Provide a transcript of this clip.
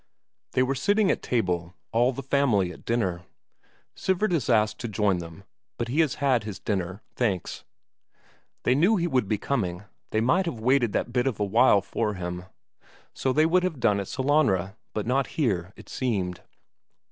They were sitting at table, all the family at dinner. Sivert is asked to join them, but has had his dinner, thanks. They knew he would be coming, they might have waited that bit of a while for him so they would have done at Sellanraa, but not here, it seemed.